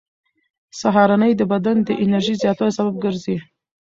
سهارنۍ د بدن د انرژۍ زیاتوالي سبب ګرځي.